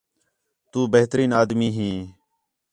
تُو بہترین آدمی ہیں